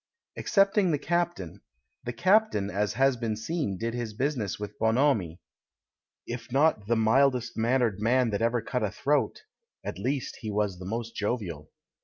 Excepting the captain! The captain, as has been seen, did his business with bonhomie. If not "the mildest mannered man that ever cut a throat," at least he was the most jovial.